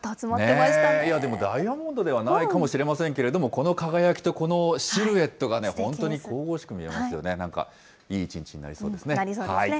いやでも、ダイヤモンドではないかもしれませんけれども、この輝きとこのシルエットが本当に神々しく見えますよね。